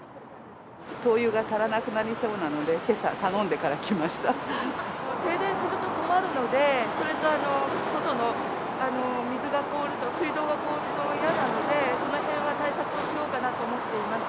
灯油が足らなくなりそうなので、停電すると困るので、それと外の水が凍ると、水道が凍ると嫌なので、そのへんは対策をしようかなと思っています。